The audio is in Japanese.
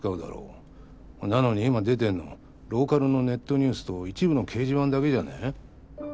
なのに今出てるのローカルのネットニュースと一部の掲示板だけじゃね？